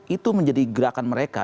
itu menjadi gerakan mereka